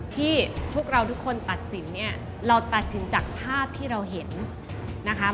ที่พวกเราทุกคนตัดสินเนี่ยเราตัดสินจากภาพที่เราเห็นนะคะ